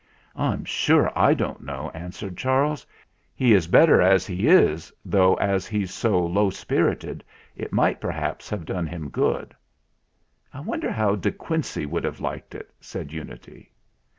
"I'm sure I don't know," answered Charles. "He is better as he is though as he's so low spirited it might perhaps have done him good." "I wonder how De Quincey would have liked it?" said Unity.